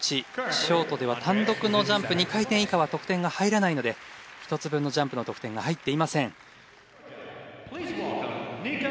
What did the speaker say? ショートでは単独のジャンプ２回転以下は得点が入らないので１つ分のジャンプの得点が入っていません。